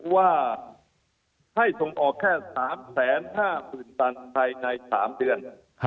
ว่าให้ส่งออกแค่๓๕๐๐๐ตันภายใน๓เดือน